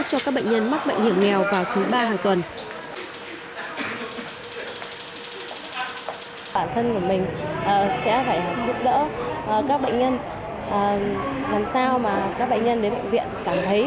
cho các bệnh nhân mắc bệnh hiểm nghèo vào thứ ba hàng tuần